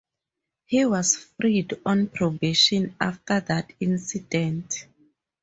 He was freed on probation after that incident.